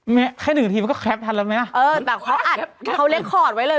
แค่หนึ่งทีมันก็แคปทันแล้วไหมอ่ะเออแต่เขาอัดเขาเล็กคอร์ดไว้เลย